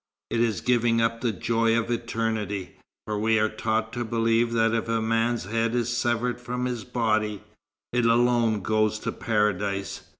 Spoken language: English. It is giving up the joy of eternity. For we are taught to believe that if a man's head is severed from his body, it alone goes to Paradise.